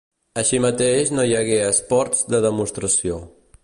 Així mateix no hi hagué esports de demostració.